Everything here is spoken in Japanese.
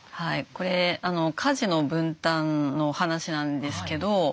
これ家事の分担の話なんですけど。